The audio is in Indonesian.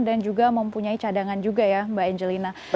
dan juga mempunyai cadangan juga ya mbak angelina